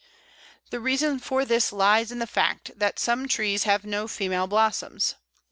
The reason for this lies in the fact that some trees have no female blossoms.